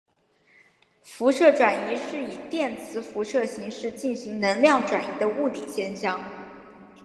辐射转移是以电磁辐射形式进行能量转移的物理现象。